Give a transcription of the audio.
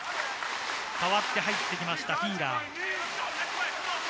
代わって入ってきました、フィーラー。